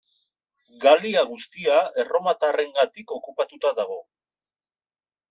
Galia guztia erromatarrengatik okupatuta dago.